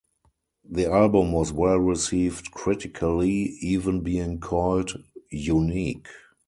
The album was well-received critically, even being called "unique".